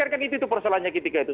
kan itu persoalannya ketika itu